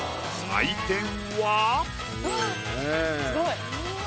採点は。